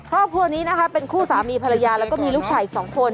ครอบครัวนี้นะคะเป็นคู่สามีภรรยาแล้วก็มีลูกชายอีก๒คน